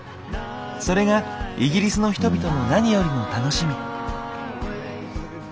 それがイギリスの人々の何よりの楽しみ。